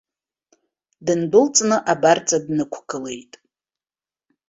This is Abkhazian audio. Дындәылҵны абарҵа днықәгылеит.